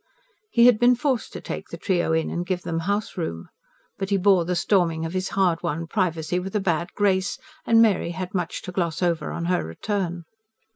He had been forced to take the trio in and give them house room. But he bore the storming of his hard won privacy with a bad grace, and Mary had much to gloss over on her return.